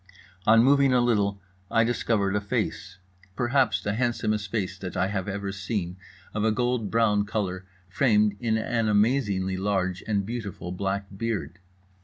On moving a little I discovered a face—perhaps the handsomest face that I have ever seen, of a gold brown color, framed in an amazingly large and beautiful black beard.